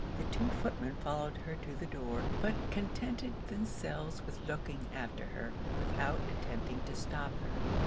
The two footmen followed her to the door; but contented themselves with looking after her, without attempting to stop her.